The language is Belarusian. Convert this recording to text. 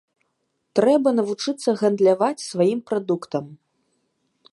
Трэба навучыцца гандляваць сваім прадуктам.